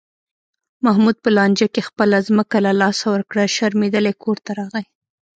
محمود په لانجه کې خپله ځمکه له لاسه ورکړه، شرمېدلی کورته راغی.